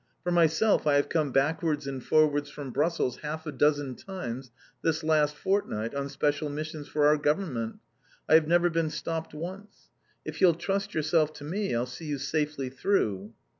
For myself, I have come backwards and forwards from Brussels half a dozen times this last fortnight on special missions for our Government. I have never been stopped once. If you'll trust yourself to me, I'll see you safely through!"